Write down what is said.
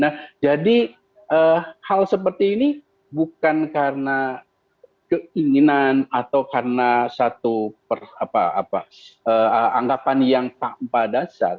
nah jadi hal seperti ini bukan karena keinginan atau karena satu anggapan yang tanpa dasar